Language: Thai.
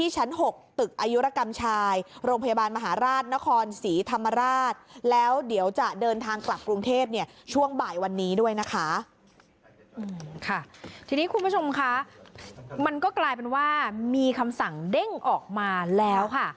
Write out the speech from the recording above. ทีนี้คุณผู้ชมคะมันก็กลายเป็นว่ามีคำสั่งเด้งออกมาแล้วค่ะ